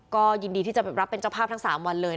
ก็ยินดีที่จะรับเป็นเจ้าภาพทั้ง๓วันเลย